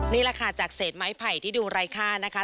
นี่แหละค่ะจากเศษไม้ไผ่ที่ดูไร้ค่านะคะ